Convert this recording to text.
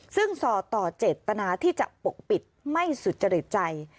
ซึ่งส่อต่อเจตนาที่จะปกปิดไม่สุจริตใจ